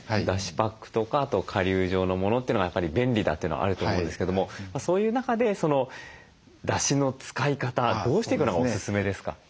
パックとかあと顆粒状のものというのがやっぱり便利だというのがあると思うんですけどもそういう中でだしの使い方どうしていくのがおすすめですか？